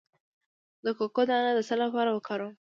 د کوکو دانه د څه لپاره وکاروم؟